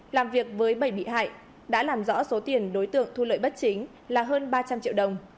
làm việc với bảy bị hại đã làm rõ số tiền đối tượng thu lợi bất chính là hơn ba trăm linh triệu đồng